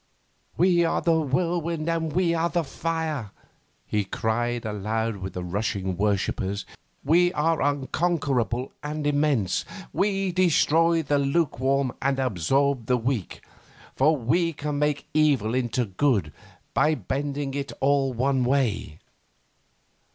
'We are the whirlwind and we are the fire!' he cried aloud with the rushing worshippers. 'We are unconquerable and immense! We destroy the lukewarm and absorb the weak! For we can make evil into good by bending it all one way!...